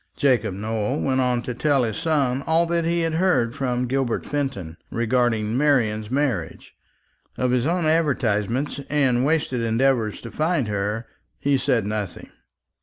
Jacob Nowell went on to tell his son all that he had heard from Gilbert Fenton respecting Marian's marriage. Of his own advertisements, and wasted endeavours to find her, he said nothing.